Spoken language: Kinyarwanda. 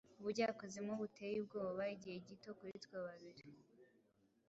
Ubujyakuzimu buteye ubwoba Igihe gito kuri twe babiri